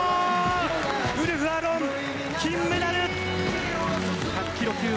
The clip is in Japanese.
ウルフ・アロン、金メダル！